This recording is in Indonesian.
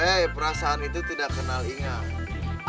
eh perasaan itu tidak kenal ingat